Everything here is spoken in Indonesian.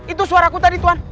itu suara aku tadi tuhan